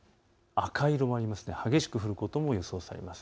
赤色があって激しく降ることも予想されます。